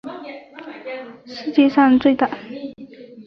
硕腾公司是世界上最大的宠物和家畜用药品和疫苗厂商。